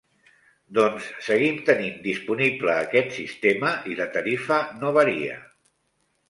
Doncs seguim tenint disponible aquest sistema i la tarifa no varia.